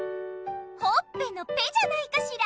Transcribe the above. ほっぺの「ぺ」じゃないかしら。